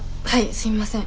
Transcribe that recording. すみません。